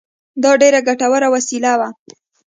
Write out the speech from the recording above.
دا ډېره ګټوره وسیله وه